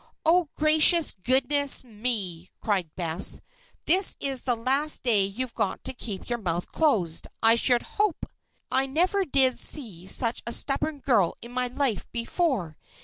"Oh, gracious goodness me!" cried Bess. "This is the last day you've got to keep your mouth closed, I should hope! I never did see such a stubborn girl in my life before!